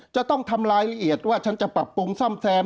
จะต้องทำรายละเอียดว่าฉันจะปรับปรุงซ่อมแซม